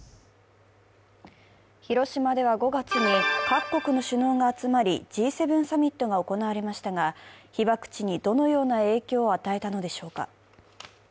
広島では５月に各国の首脳が集まり、Ｇ７サミットが行われましたが、被爆地にどのような影響を与えたのでしょうか。